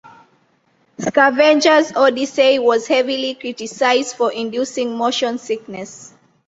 Scavengers Odyssey was heavily criticized for inducing motion sickness.